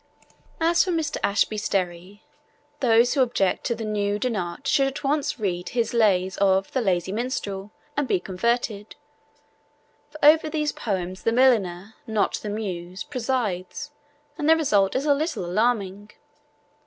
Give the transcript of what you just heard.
As for Mr. Ashby Sterry, those who object to the nude in art should at once read his lays of The Lazy Minstrel and be converted, for over these poems the milliner, not the muse, presides, and the result is a little alarming.